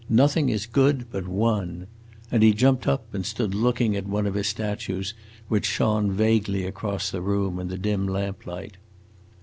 Nothing is good but one!" And he jumped up and stood looking at one of his statues, which shone vaguely across the room in the dim lamplight.